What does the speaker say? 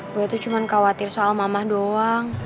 gue tuh cuman khawatir soal mama doang